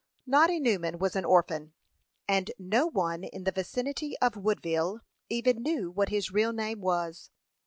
Noddy Newman was an orphan; and no one in the vicinity of Woodville even knew what his real name was.